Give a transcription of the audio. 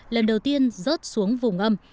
lần đầu tiên rớt xuống vùng âm